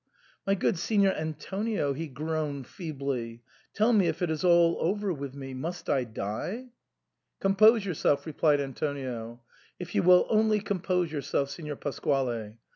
My good Signor Antonio," he groaned feebly, " tell me if it is all over with me. Must I die ?"" Compose yourself," replied Antonio. " If you will only compose yourself, Signor Pasquale